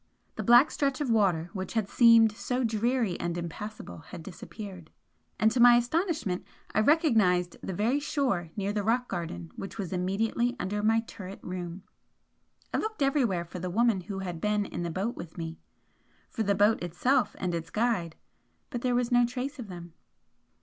The black stretch of water which had seemed so dreary and impassable had disappeared, and to my astonishment I recognised the very shore near the rock garden which was immediately under my turret room. I looked everywhere for the woman who had been in the boat with me for the boat itself and its guide but there was no trace of them.